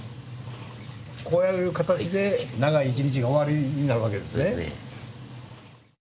こうやる形で長い１日が終わりになるわけですね。